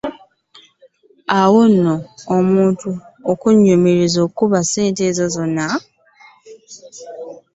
Awo nno omuntu okunnumiriza okubba ssente ezo zonna!